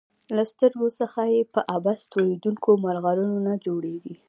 له سترګو څخه یې په عبث تویېدونکو مرغلرو نه جوړیږي.